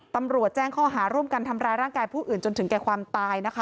ตำรวจแจ้งข้อหาร่วมกันทำร้ายร่างกายผู้อื่นจนถึงแก่ความตายนะคะ